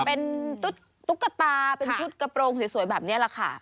เป็นตุ๊กตาเป็นชุดกระโปรงสวยแบบนี้แหละค่ะ